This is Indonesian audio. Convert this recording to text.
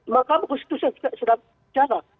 mahkamah konstitusi yang sudah jelas